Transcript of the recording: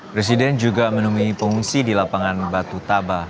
presiden juga menemui pengungsi di lapangan batu tabah